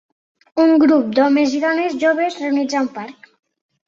Un grup d'homes i dones joves reunits a un parc.